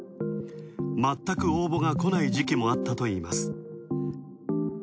まったく応募が、こない時期もあったといいます。